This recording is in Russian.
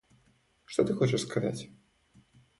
Что ты хочешь сказать?